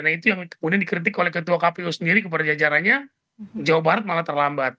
nah itu yang kemudian dikritik oleh ketua kpu sendiri kepada jajarannya jawa barat malah terlambat